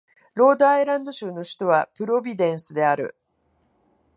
ロードアイランド州の州都はプロビデンスである